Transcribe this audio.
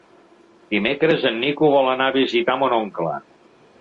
Dimecres en Nico vol anar a visitar mon oncle.